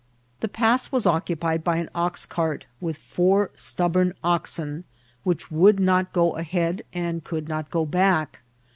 The pass was occii^ied by an ox cart, with four stubborn oxen, which would not go ahead and could not go back.